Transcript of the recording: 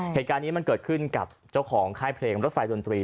เหตุการณ์นี้มันเกิดขึ้นกับเจ้าของค่ายเพลงรถไฟดนตรี